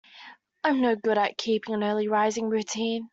I'm no good at keeping an early rising routine.